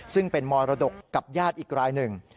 ซึ่งเป็นมรดกกับญาติอีกรายหนึ่ง